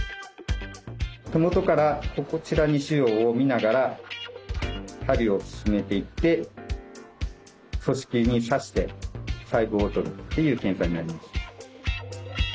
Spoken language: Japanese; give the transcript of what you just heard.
手元からこちらに腫瘍をみながら針を進めていって組織に刺して細胞を採るっていう検査になります。